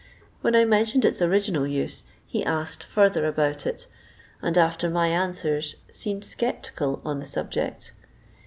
When I mentioned its original use, he asked further about it, and after my answers seemed sceptical on the subject.